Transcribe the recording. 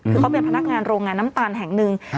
คือเขาเป็นพนักงานโรงงานน้ำตาลแห่งหนึ่ง